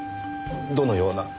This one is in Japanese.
どのような？